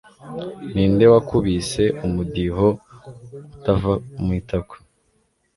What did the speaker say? Ninde wakubise umudiho utava mu itako